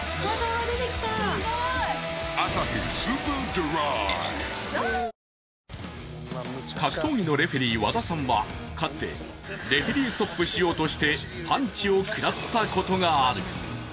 東芝格闘技のレフェリー・和田さんはかつてレフェリーストップしようとしてパンチを食らったことがある。